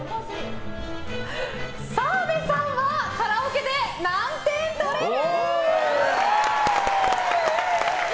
澤部さんはカラオケで何点取れる？